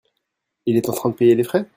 Il est en train de payer les frais ?